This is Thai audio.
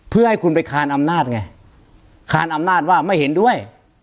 เพื่อให้คุณไปคานอำนาจไงคานอำนาจว่าไม่เห็นด้วย